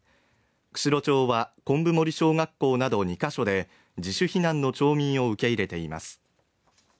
釧路町は小学校などに２カ所で自主避難の町民を受け入れています。